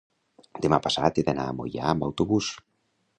demà passat he d'anar a Moià amb autobús.